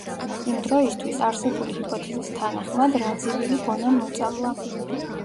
იმ დროისთვის, არსებული ჰიპოთეზის თანახმად, რაძივილი ბონამ მოწამლა.